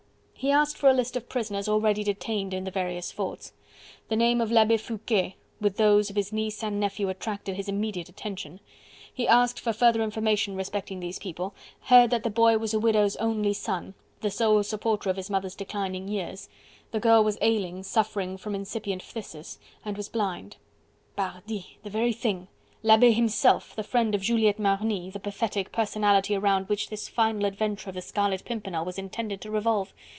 He asked for a list of prisoners already detained in the various forts. The name of l'Abbe Foucquet with those of his niece and nephew attracted his immediate attention. He asked for further information respecting these people, heard that the boy was a widow's only son, the sole supporter of his mother's declining years: the girl was ailing, suffering from incipient phthisis, and was blind. Pardi! the very thing! L'Abbe himself, the friend of Juliette Marny, the pathetic personality around which this final adventure of the Scarlet Pimpernel was intended to revolve!